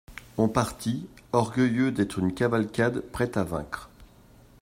On partit, orgueilleux d'être une cavalcade prête à vaincre.